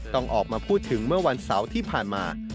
ต้องออกมาพูดถึงเมื่อวันเสาร์ที่ผ่านมา